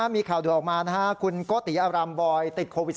มีข่าวด่วนออกมาคุณโกติอารามบอยติดโควิด๑๙